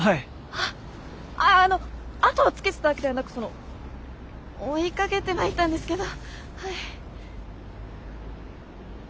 ああっあの後をつけてたわけではなくその追いかけてはいたんですけどはい。